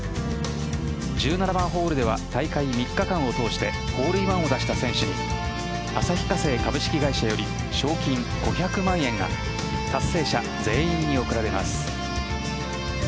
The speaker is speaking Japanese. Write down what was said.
１７番ホールでは大会３日間を通してホールインワンを出した選手に旭化成株式会社より賞金５００万円が達成者全員に贈られます。